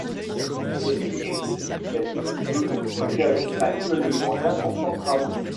Ceci explique qu'elle ne peut y engager actuellement d'importants travaux.